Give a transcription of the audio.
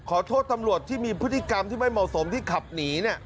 ขอโทษตำรวจที่มีพฤติกรรมที่ไม่เหมาะสมที่ขับหนี